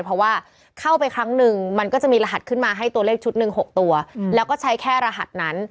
เพราะว่าเข้าไปครั้งหนึ่งมันก็จะมีรหัสขึ้นมาให้ตัวเลขชุดหนึ่ง๖ตัวแล้วก็ใช้แค่รหัสนั้น